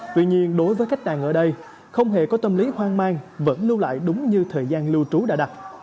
tuy nhiên đối với khách đàn ở đây không hề có tâm lý hoang mang vẫn lưu lại đúng như thời gian lưu trú đã đặt